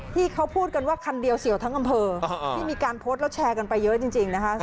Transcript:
ที่เขาพูดกันว่าคันเดียวเสี่ยวทั้งอำเภอที่มีการโพสต์แล้วแชร์กันไปเยอะจริงนะคะ